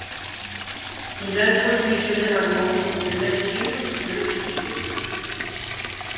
Il introduit généralement une lecture de l'Écriture.